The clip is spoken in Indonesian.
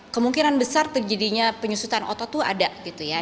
kemungkinan besar terjadinya penyusutan otot itu ada gitu ya